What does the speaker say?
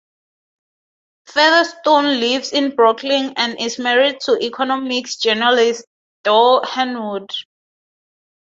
Featherstone lives in Brooklyn and is married to economics journalist Doug Henwood.